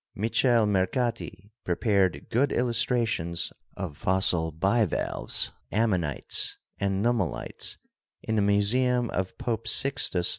Michele Mercati prepared good illustra tions of fossil bivalves, ammonites and nummulites in the museum of Pope Sixtus V.